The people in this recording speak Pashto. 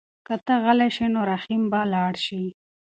که ته غلی شې نو رحیم به لاړ شي.